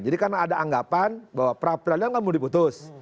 jadi karena ada anggapan bahwa peradaban gak mau diputus